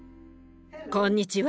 こんにちは。